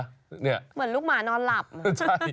เหมือนลูกหมานอนหลับ